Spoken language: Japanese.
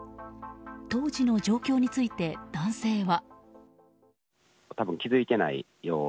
当時の状況について、男性は。